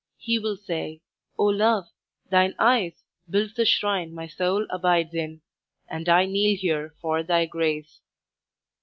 He will say: 'O Love, thine eyes Build the shrine my soul abides in, And I kneel here for thy grace.'